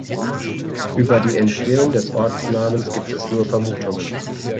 Über die Entstehung des Ortsnamens gibt es nur Vermutungen.